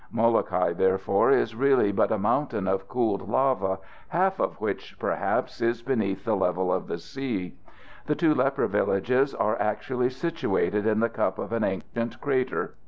Molokai, therefore, is really but a mountain of cooled lava, half of which perhaps is beneath the level of the sea. The two leper villages are actually situated in the cup of an ancient crater.